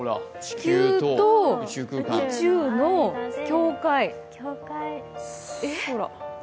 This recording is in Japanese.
地球と宇宙の境界、空。